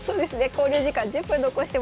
考慮時間１０分残してます。